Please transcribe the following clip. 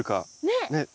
ねっ。